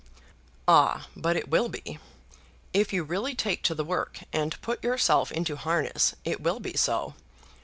"Ah, but it will be. If you really take to the work, and put yourself into harness, it will be so.